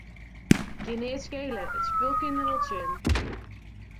Kin neat skele, it spul kin der wol tsjin.